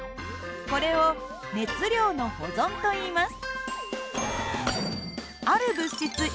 これを熱量の保存といいます。